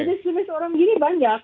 jadi sebes orang gini banyak